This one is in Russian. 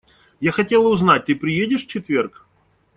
Я хотела узнать, ты приедешь в четверг?